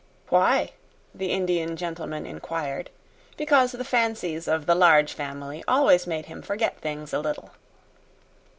"Why?" the Indian gentleman inquired, because the fancies of the Large Family always made him forget things a little.